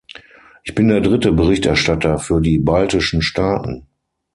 Ich bin der dritte Berichterstatter für die baltischen Staaten.